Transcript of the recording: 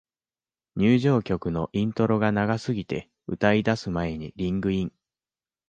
入場曲のイントロが長すぎて、歌い出す前にリングイン